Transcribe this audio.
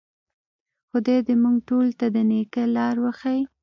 خدای دې موږ ټولو ته د نیکۍ لار وښیي.